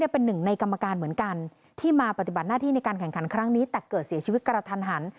ปฏิบัติหน้าที่ในการแข่งขันครั้งนี้แต่เกิดเสียชีวิตกระทันหัน